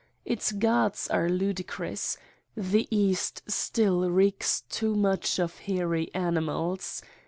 Its gods are ludicrous. The East still reeks too much of hairy animals.